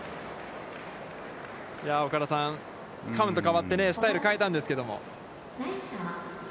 岡田さん、カウントが変わってスタイルを変えたんですけれども。